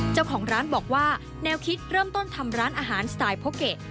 เจ้าของร้านบอกว่าแนวคิดเริ่มต้นทำร้านอาหารสไตล์โพเกะ